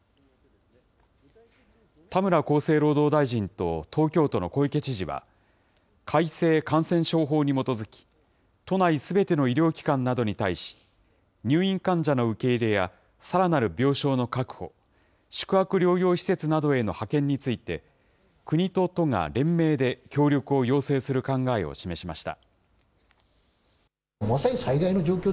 田村厚生労働大臣と東京都の小池知事は、改正感染症法に基づき、都内すべての医療機関などに対し、入院患者の受け入れやさらなる病床の確保、宿泊療養施設などへの派遣について、国と都が連名で協力を要請する考えを示しました。